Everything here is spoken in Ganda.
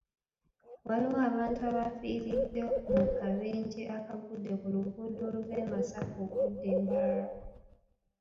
Waliwo abantu abaafiiridde mu kabenje akaagudde ku luguudo oluva e Masaka okudda e Mbarara